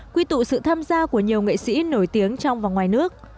quy tụ sự tham gia của nhiều nghệ sĩ nổi tiếng trong và ngoài nước